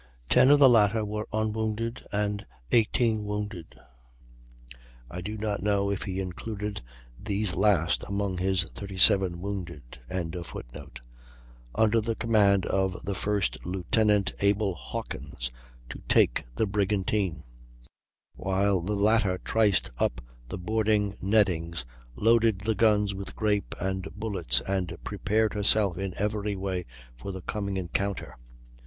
Ten of the latter were unwounded, and 18 wounded. I do not know if he included these last among his "37 wounded."] under the command of the first lieutenant, Abel Hawkins, to take the brigantine; while the latter triced up the boarding nettings, loaded the guns with grape and bullets, and prepared herself in every way for the coming encounter.